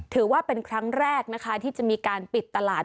ถือว่าเป็นครั้งแรกนะคะที่จะมีการปิดตลาด